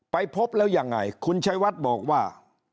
ไปพบแล้วยังไงคุณชัยวัดบอกว่า